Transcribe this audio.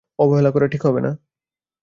অবহেলা করা ঠিক হবে না।